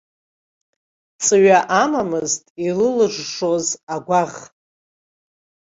Ҵҩа амамызт илылыжжуаз агәаӷ.